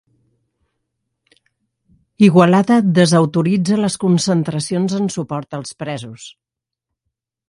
Igualada desautoritza les concentracions en suport als presos